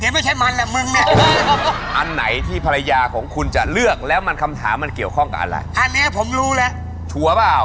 ไม่จำเป็นอย่าไปยุ่งกับเมียเค้านะ